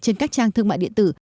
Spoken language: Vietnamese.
trên các trang thương mại điện tử